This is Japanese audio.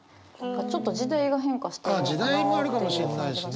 ちょっと時代が変化してるのかなっていう感じがします。